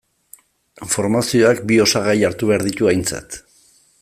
Formazioak bi osagai hartu behar ditu aintzat.